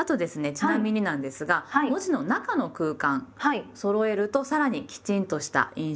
ちなみになんですが文字の中の空間そろえるとさらにきちんとした印象になります。